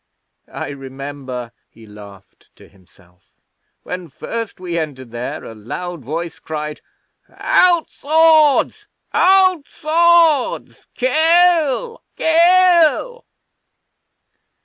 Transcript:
I remember' he laughed to himself 'when first we entered there a loud voice cried, "Out swords! Out swords! Kill, kill!"